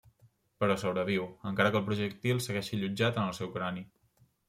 Però sobreviu, encara que el projectil segueixi allotjat en el seu crani.